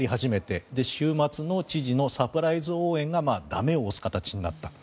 そして週末の知事のサプライズ応援がダメを押す形になった。